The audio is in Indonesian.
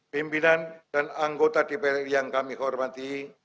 pimpinan dan anggota dpr yang kami hormati